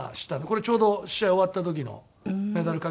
これちょうど試合終わった時のメダルかけてもらった。